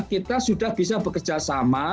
kita sudah bisa bekerjasama